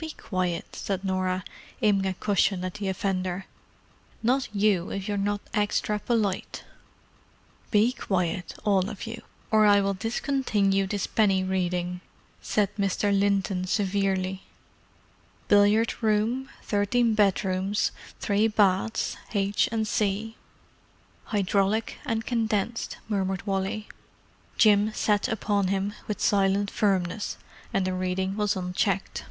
"Be quiet," said Norah, aiming a cushion at the offender. "Not you, if you're not extra polite!" "Be quiet, all of you, or I will discontinue this penny reading," said Mr. Linton severely. "Billiard room, thirteen bedrooms, three baths (h. and c.)——" "Hydraulic and condensed," murmured Wally. Jim sat upon him with silent firmness, and the reading was unchecked.